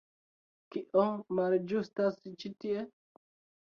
Kio malĝustas ĉi tie?